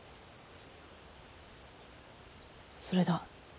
それだ。